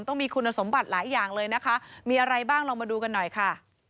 ต้องมีคุณสมบัติหลายอย่างเลยนะคะมีอะไรบ้างลองมาดูกันหน่อยค่ะ